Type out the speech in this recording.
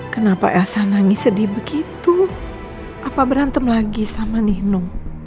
kenapa elsa nangis sedih begitu apa berantem lagi sama nino